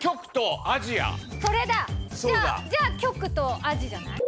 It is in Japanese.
じゃあ極とアジじゃない？